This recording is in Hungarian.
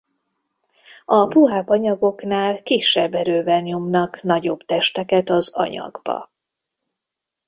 A puhább anyagoknál kisebb erővel nyomnak nagyobb testeket az anyagba.